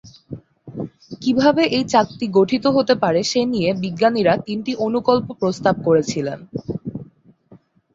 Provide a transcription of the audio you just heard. কিভাবে এই চাকতি গঠিত হতে পারে সে নিয়ে বিজ্ঞানীরা তিনটি অনুকল্প প্রস্তাব করছিলেন।